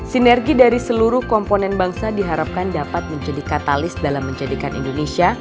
sinergi dari seluruh komponen bangsa diharapkan dapat menjadi katalis dalam menjadikan indonesia